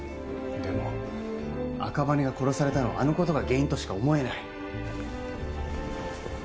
でも赤羽が殺されたのはあのことが原因としか思えない。